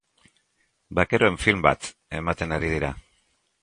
Bakeroen film bat ematen ari dira.